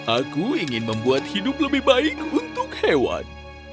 aku ingin membuat hidup lebih baik untuk hewan